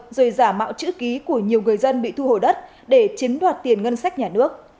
rồi giả mạo chữ ký của nhiều người dân bị thu hồi đất để chiếm đoạt tiền ngân sách nhà nước